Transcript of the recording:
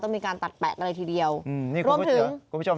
ต้องมีการตัดแปะอะไรทีเดียวอืมนี่รวมถึงกลุ่มผู้ชม